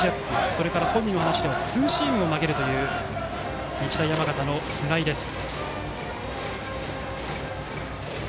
それから本人の話ではツーシームを投げるという日大山形の菅井です。